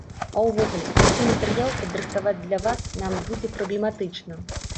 А ўвогуле, такі матэрыял падрыхтаваць для вас нам будзе праблематычна.